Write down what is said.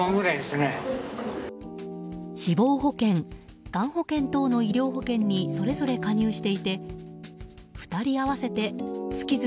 死亡保険がん保険等の医療保険にそれぞれ加入していて２人合わせて月々